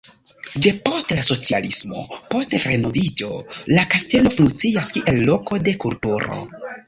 Depost la socialismo post renoviĝo la kastelo funkcias kiel loko de kulturo.